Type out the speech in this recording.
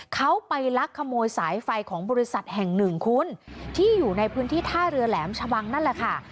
เขาไปลักขโมยสายไฟของบริษัทแห่งหนึ่งคุณที่อยู่ในพื้นที่ท่าเรือแหลมชะบังนั่นแหละค่ะ